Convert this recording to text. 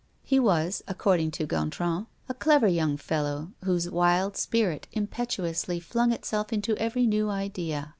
He was, according to Gontran, a clever young fellow, whose wild spirit impetuously flung itself into every new idea.